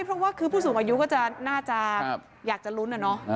เพราะว่าคือผู้สูงอายุก็น่าจะอยากจะลุ้นนะ